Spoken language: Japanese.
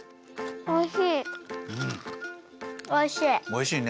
おいしい！